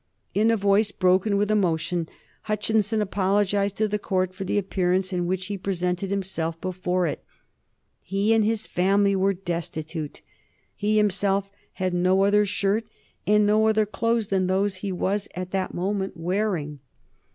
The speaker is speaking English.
In a voice broken with emotion Hutchinson apologized to the court for the appearance in which he presented himself before it. He and his family were destitute; he himself had no other shirt and no other clothes than those he was at that moment wearing.